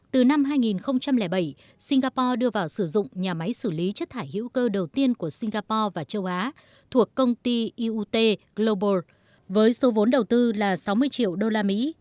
từ năm hai nghìn bảy singapore đưa vào sử dụng nhà máy xử lý chất thải hữu cơ đầu tiên của singapore và châu á thuộc công ty iuut global với số vốn đầu tư là sáu mươi triệu đô la mỹ